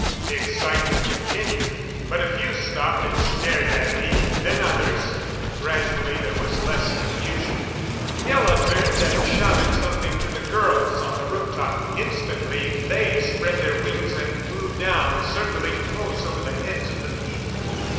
The excitement continued. But a few stopped and stared at me; then others, and gradually there was less confusion. Miela turned and shouted something to the girls on the rooftop. Instantly they spread their wings and flew, down, circling close over the heads of the people.